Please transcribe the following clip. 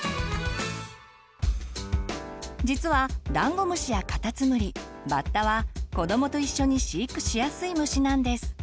実はダンゴムシやカタツムリバッタは子どもと一緒に飼育しやすい虫なんです。